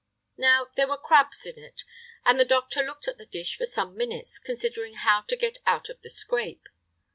Now, there were crabs in it, and the doctor looked at the dish for some minutes, considering how to get out of the scrape.